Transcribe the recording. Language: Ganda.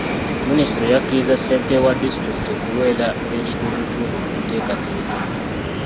Minisitule yakkiriza ssentebe wa disitulikiti okubeera ekitundutundu ku nteekateeka.